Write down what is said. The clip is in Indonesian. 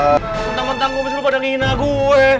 mentang mentang kumis lu pada nginak gue